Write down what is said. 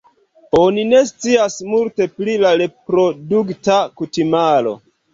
Oni ne scias multe pli la reprodukta kutimaro.